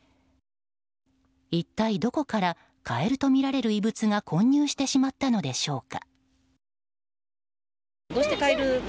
一体どこからカエルとみられる異物が混入してしまったのでしょうか。